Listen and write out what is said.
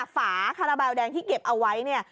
ฝาคาราบาลแดงที่เก็บเอาไว้เนี่ย